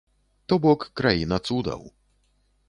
То бок краіна цудаў.